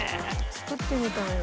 作ってみたいな。